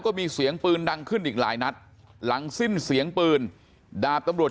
ก็มีเสียงปืนดังขึ้นอีกหลายนัดหลังสิ้นเสียงปืนดาบตำรวจ